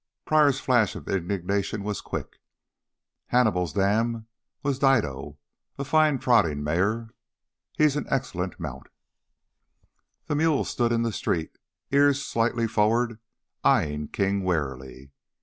Pryor's flash of indignation was quick. "Hannibal's dam was Dido, a fine trotting mare. He's an excellent mount." The mule stood in the street, ears slightly forward, eyeing King warily.